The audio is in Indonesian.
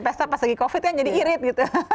pesta pas lagi covid kan jadi irit gitu